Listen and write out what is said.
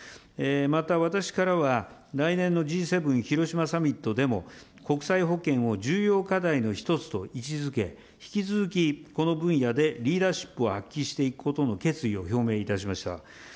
また私からは来年のＧ７・広島サミットでも、国際保健を重要課題の一つと位置づけ、引き続きこの分野でリーダーシップを発揮していくことの決意を表明いたしました。